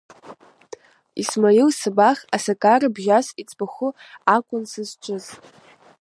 Исмаил Сабах асакара бжьас иӡбаху акун сызҿыз…